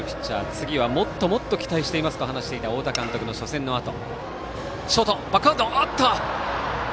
次はもっともっと期待しますと話をしていた太田監督初戦のあと。